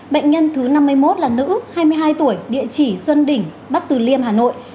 bệnh nhân thứ năm mươi một là nữ hai mươi hai tuổi địa chỉ xuân đỉnh bắc từ liêm hà nội